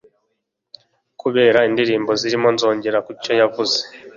kubera indirimbo zirimo 'nzogera ku cyo yavuze'